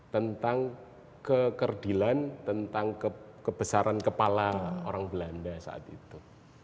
tentang kekerdilan tentang kebesaran kepala orang belanda saat itu